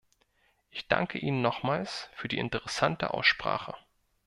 Ich danke Ihnen nochmals für die interessante Aussprache.